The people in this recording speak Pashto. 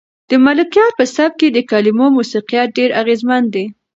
د ملکیار په سبک کې د کلمو موسیقیت ډېر اغېزمن دی.